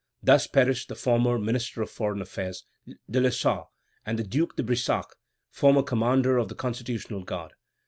Thus perished the former Minister of Foreign Affairs, de Lessart, and the Duke de Brissac, former commander of the Constitutional Guard.